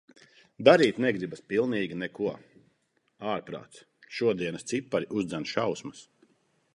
Darīt negribas pilnīgi neko. Ārprāts, šodienas cipari uzdzen šausmas.